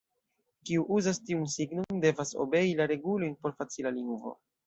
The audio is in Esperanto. Kiu uzas tiun signon, devas obei la regulojn por facila lingvo.